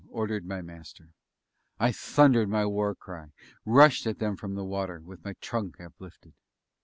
_" ordered my Master. I thundered my war cry, and rushed at them from the water, with my trunk uplifted.